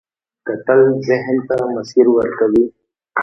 کتل ذهن ته مسیر ورکوي